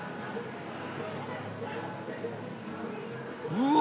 うわ！